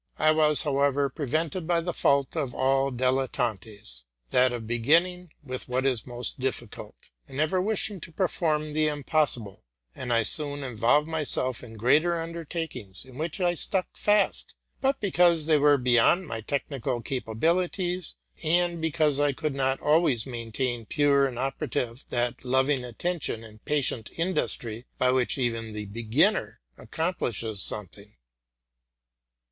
I was, however, prevented by the fault of all dilet 148 TRUTH AND FICTION tantes, —that of beginning with what is most difficult, and ever wishing to perform the impossible ; and I soon involved myself in greater undertakings, in which I stuck fast, both because they were beyond my technical capabilities, and because I could not always maintain pure and operative that loving attention and patient industry by which even the beginner accomplishes something.